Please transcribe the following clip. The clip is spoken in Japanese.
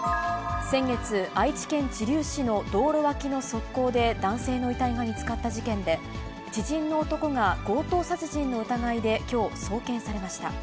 先月、愛知県知立市の道路脇の側溝で男性の遺体が見つかった事件で、知人の男が強盗殺人の疑いできょう、送検されました。